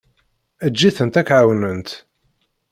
Eǧǧ-itent ak-ɛawnent.